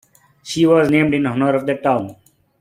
She was named in honour of the town.